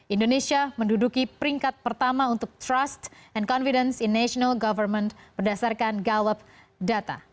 indonesia menduduki peringkat pertama untuk trust and confidence in national government berdasarkan golf data